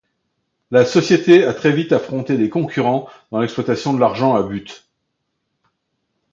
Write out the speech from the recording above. La société a très vite affronté des concurrents dans l'exploitation de l'argent à Butte.